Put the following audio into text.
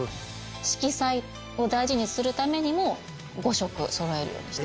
色彩を大事にするためにも５色そろえるようにしています。